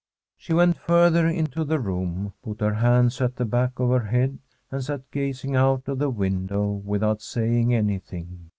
She went further into the room, put her hands at the back of her head, and sat gazing out of the window without saying anything.